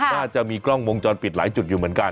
น่าจะมีกล้องวงจรปิดหลายจุดอยู่เหมือนกัน